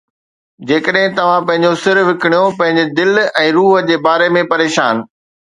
جيڪڏھن توھان پنھنجو سر وڪڻيو، پنھنجي دل ۽ روح جي باري ۾ پريشان